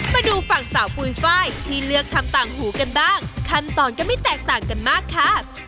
มาดูฝั่งสาวปุ๋ยไฟล์ที่เลือกทำต่างหูกันบ้างขั้นตอนก็ไม่แตกต่างกันมากค่ะ